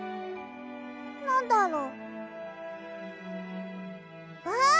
なんだろう？あ！